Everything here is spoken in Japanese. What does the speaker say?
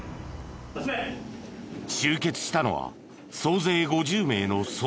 集結したのは総勢５０名の捜査員。